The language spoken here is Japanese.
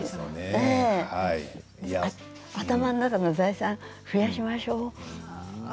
頭の中の財産、増やしましょう。